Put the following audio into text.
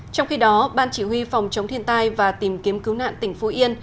trong khi đó ban chỉ huy phòng chống thiên tai và tìm kiếm cứu nạn tỉnh phú yên